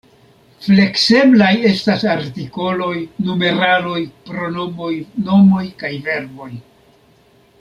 Flekseblaj estas artikoloj, numeraloj, pronomoj, nomoj kaj verboj.